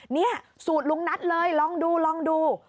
นี่สูตรลุงนัทเลยลองดู